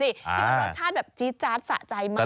ที่สดชาติแบบจี๊ดจ๊าดสะใจมากเลย